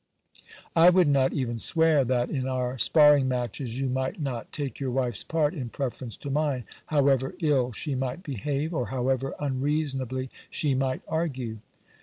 I would not even swear that in our sparring matches, you might not take your wife's part in preference to mine, however ill she might behave, or however unreasonably she might argue.